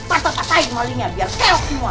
pasang pasangin malingnya biar keok semua